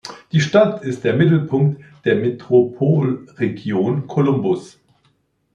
Die Stadt ist der Mittelpunkt der Metropolregion Columbus.